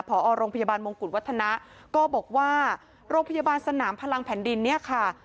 พอโรงพยาบาลมงกุฎวัฒนะก็บอกว่าโรงพยาบาลสนามพลังแผ่นดินเนี่ยค่ะ